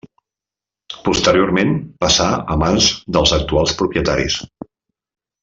Posteriorment passà a mans dels actuals propietaris.